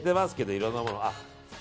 いろんなもの。